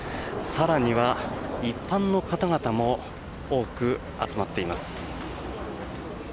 更には一般の方々も多く集まっています。